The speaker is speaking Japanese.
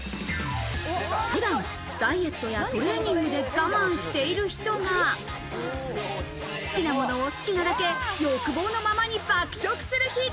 普段、ダイエットやトレーニングで我慢している人が、好きなものを好きなだけ、欲望のままに爆食する日！